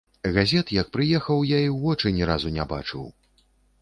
Газет, як прыехаў, я і ў вочы ні разу не бачыў.